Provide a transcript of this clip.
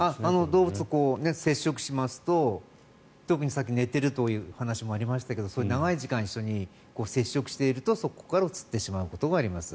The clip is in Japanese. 動物と接触しますと特にさっき寝てるという話がありましたがそういう長い時間一緒に接触しているとそこからうつってしまうことがあります。